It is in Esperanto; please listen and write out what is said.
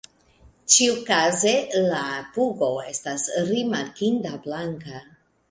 Ĉiukaze la pugo estas rimarkinda blanka.